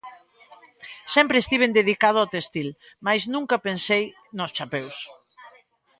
Sempre estiven dedicado ao téxtil, mais nunca pensei nos chapeus.